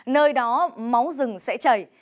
nơi đó máu rừng sẽ chảy